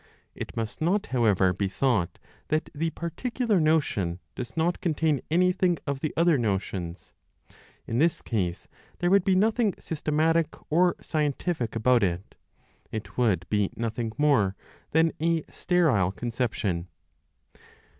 It must not, however, be thought that the particular notion does not contain anything of the other notions; in this case, there would be nothing systematic or scientific about it; it would be nothing more than a sterile conception.